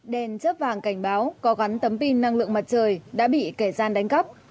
đèn chớp vàng cảnh báo có gắn tấm pin năng lượng mặt trời đã bị kẻ gian đánh cắp